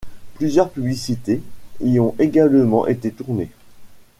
Plusieurs publicités y ont également été tournées.